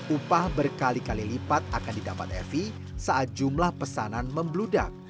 upah berkali kali lipat akan didapat evi saat jumlah pesanan membludak